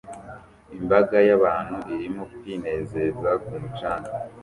Imbaga y'abantu irimo kwinezeza ku mucanga